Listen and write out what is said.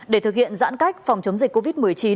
để thực hiện giãn cách phòng chống dịch covid một mươi chín